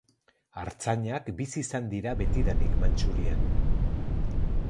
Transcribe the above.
Artzainak bizi izan dira betidanik Mantxurian.